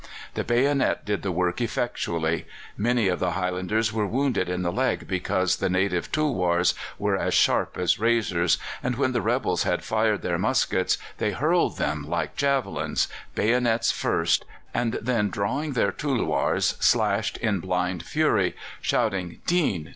The bayonet did the work effectually. Many of the Highlanders were wounded in the leg because the native tulwârs were as sharp as razors, and when the rebels had fired their muskets they hurled them like javelins, bayonets first, and then drawing their tulwârs, slashed in blind fury, shouting, "Deen!